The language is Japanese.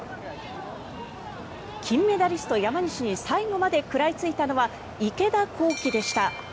金メダリスト、山西に最後まで食らいついたのは池田向希でした。